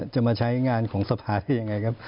จะมาใช้งานของสภาทเกี่ยวไงครับ